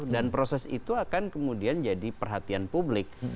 dan proses itu akan kemudian jadi perhatian publik